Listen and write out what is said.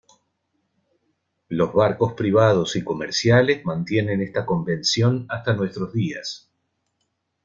Los barcos privados y comerciales mantienen esta convención hasta nuestros días.